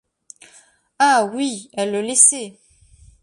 Ah ! oui, elle le laissait !